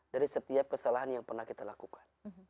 dari setiap kesalahan yang pernah kita lakukan